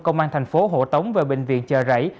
công an thành phố hộ tống và bệnh viện chờ rảy